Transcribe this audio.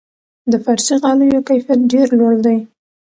د فارسي غالیو کیفیت ډیر لوړ دی.